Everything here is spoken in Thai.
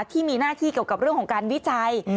ที่มีหน้าที่เกี่ยวกับเรื่องของการวิจัย